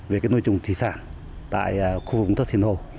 về cái nuôi trồng thủy sản tại khu vùng thấp sìn hồ